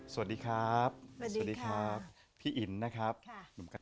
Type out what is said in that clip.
สวัสดีครับสวัสดีครับพี่อินนะครับ